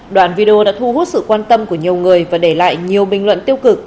đoạn video đã thu hút sự quan tâm của nhiều người và để lại nhiều bình luận tiêu cực